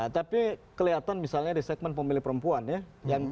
tapi kelihatan misalnya di segmen pemilih perempuan ya